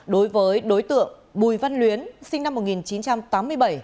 đối với đối tượng bùi văn luyến sinh năm một nghìn chín trăm tám mươi bảy